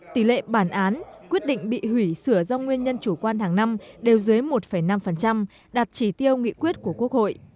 tỷ lệ bản án quyết định bị hủy sửa do nguyên nhân chủ quan hàng năm đều dưới một năm đạt chỉ tiêu nghị quyết của quốc hội